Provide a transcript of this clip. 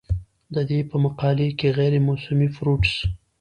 د دې پۀ مقابله کښې غېر موسمي فروټس